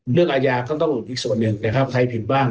เรื่องอาญาก็ต้องอีกส่วนหนึ่งนะครับใครผิดบ้าง